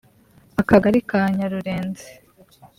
Akagari ka Nyarurenzi